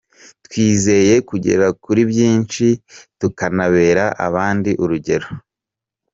Twizeye kuzagera kuri byinshi tukanabera abandi urugero”.